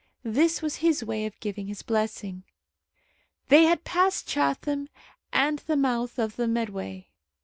This was his way of giving his blessing. They had passed Chatham and the mouth of the Medway.